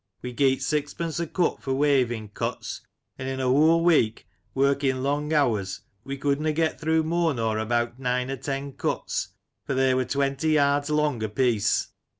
We geet sixpence a cut for weyving cuts, and in a whool week, working long hours, we couldna get through moore nor about nine or ten cuts — for they wur twenty yards long apiece.